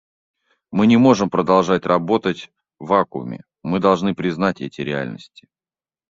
Мы не можем продолжать работать в вакууме; мы должны признать эти реальности.